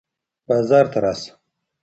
بازار ته راشه.